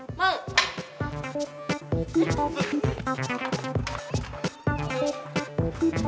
eh pak bu